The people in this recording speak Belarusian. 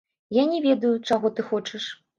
Я не ведаю, чаго ты хочаш.